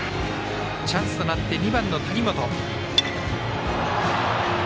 チャンスとなって２番の谷本。